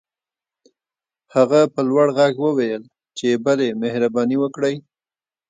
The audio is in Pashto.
هغه په لوړ غږ وويل چې بلې مهرباني وکړئ.